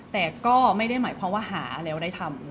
แต่ก็ไม่ได้หมายความว่าหาแล้วได้ทำ